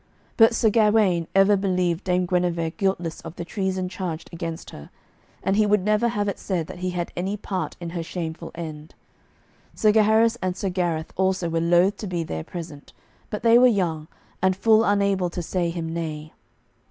But Sir Gawaine ever believed Dame Guenever guiltless of the treason charged against her, and he would never have it said that he had any part in her shameful end. Sir Gaheris and Sir Gareth also were loath to be there present, but they were young, and full unable to say him nay.